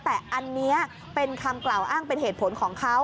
แต่อันนี้เป็นคำกล่าวอ้างเป็นเหตุผลของเขา